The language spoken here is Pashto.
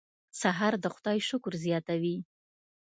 سهار د خدای شکر زیاتوي.